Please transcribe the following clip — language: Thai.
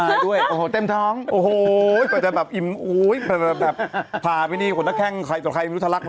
ไม่ต้องพูดถึงนายหรอก